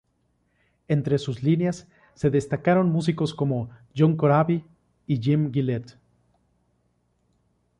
Entre sus líneas se destacaron músicos como John Corabi y Jim Gillette.